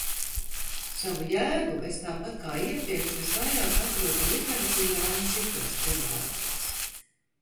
Savu jēgu es tāpat kā iepriekš visvairāk atrodu literatūrā un citos cilvēkos.